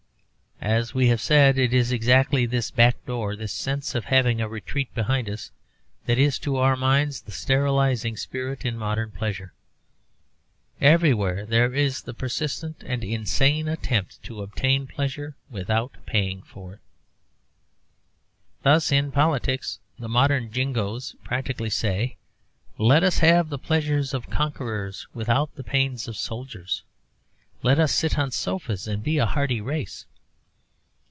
As we have said, it is exactly this backdoor, this sense of having a retreat behind us, that is, to our minds, the sterilizing spirit in modern pleasure. Everywhere there is the persistent and insane attempt to obtain pleasure without paying for it. Thus, in politics the modern Jingoes practically say, 'Let us have the pleasures of conquerors without the pains of soldiers: let us sit on sofas and be a hardy race.'